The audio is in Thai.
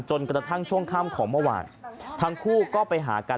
กระทั่งช่วงค่ำของเมื่อวานทั้งคู่ก็ไปหากัน